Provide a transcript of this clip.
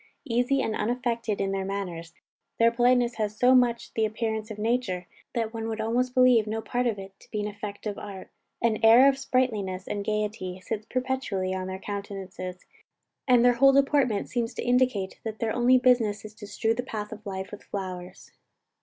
Easy and unaffected in their manners, their politeness has so much the appearance of nature, that one would almost believe no part of it to be the effect of art. An air of sprightliness and gaiety sits perpetually on their countenances, and their whole deportment seems to indicate that their only business is to "strew the path of life with flowers."